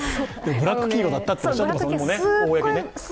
ブラック企業だったとおっしゃっていますよね、公にね。